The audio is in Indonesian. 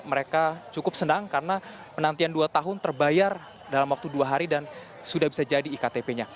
mereka cukup senang karena penantian dua tahun terbayar dalam waktu dua hari dan sudah bisa jadi iktp nya